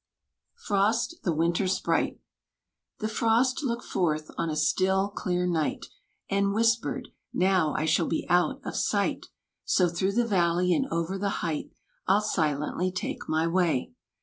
=Frost, the Winter Sprite= The Frost looked forth on a still, clear night, And whispered, "Now I shall be out of sight; So through the valley, and over the height I'll silently take my way.